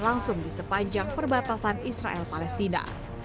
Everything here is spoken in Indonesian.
langsung di sepanjang perbatasan israel palestina